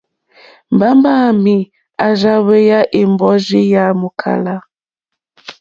Mbamba wàami à rza hweya è mbɔrzi yà mòkala.